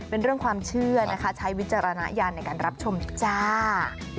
เป็นเรื่องความเชื่อนะคะใช้วิจารณญาณในการรับชมจ้า